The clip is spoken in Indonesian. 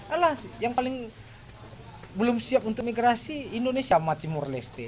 alah yang paling belum siap untuk migrasi indonesia mati morleste